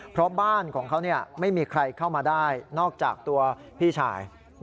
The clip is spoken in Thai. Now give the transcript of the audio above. เพราะบ้านของเขาไม่มีใครเข้ามาได้นอกจากตัวพี่ชาย